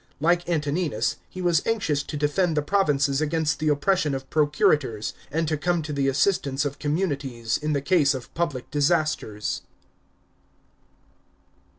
Like Antoninus, he was anxious to defend the provinces against the oppression of pro curators, and to come to the assistance of communities in the case of public disasters.